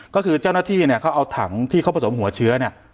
ก็คือเจ้าหน้าที่เนี่ยเขาเอาถังที่เขาผสมหัวเชื้อเนี่ย